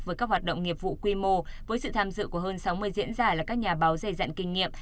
với các hoạt động nghiệp vụ quy mô với sự tham dự của hơn sáu mươi diễn giả là các nhà báo dày dặn kinh nghiệm